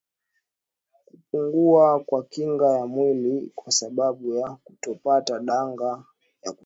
Kupungua kwa kinga ya mwili kwa sababu ya kutopata danga ya kutosha